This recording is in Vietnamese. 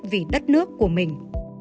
vì đất nước của mình